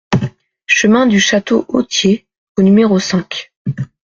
Chemin du Château Authier au numéro cinq